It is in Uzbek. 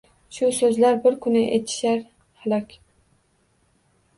Shu soʻzlar bir kuni etishar halok.